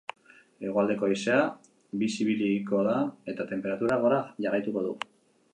Hegoaldeko haizea bizi ibiliko da eta tenperaturak gora jarraituko du.